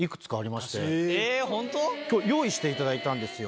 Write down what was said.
今日用意していただいたんですよ